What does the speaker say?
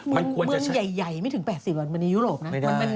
เมืองใหญ่ไม่ถึง๘๐วันในยุโรปนะ